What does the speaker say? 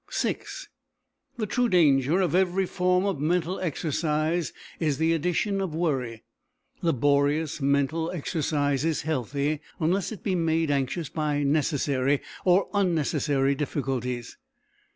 VI The true danger of every form of mental exercise is the addition of worry. Laborious mental exercise is healthy unless it be made anxious by necessary or unnecessary difficulties.